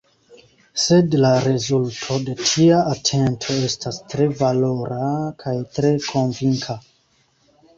Sed la rezulto de tia atento estas tre valora – kaj tre konvinka.